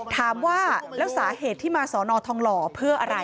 ถามว่าแล้วสาเหตุที่มาสอนอทองหล่อเพื่ออะไร